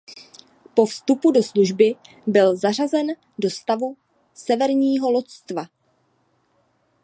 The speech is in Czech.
Po vstupu do služby byl zařazen do stavu Severního loďstva.